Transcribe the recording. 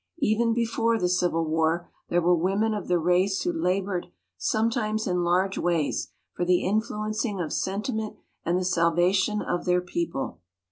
Even before the Civil War there were women of the race who labored, some times in large ways, for the influencing of sentiment and the salvation of their people.